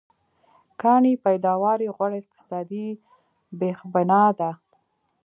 کانې پیداوار یې غوره اقتصادي بېخبنا ده.